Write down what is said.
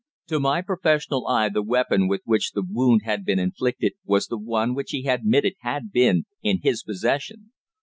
To my professional eye the weapon with which the wound had been inflicted was the one which he admitted had been in his possession.